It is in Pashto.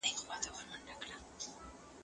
صليبي جنګونه په دې دوره کي پېښ سول.